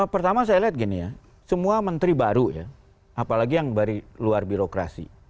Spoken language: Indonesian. pertama saya lihat gini ya semua menteri baru ya apalagi yang dari luar birokrasi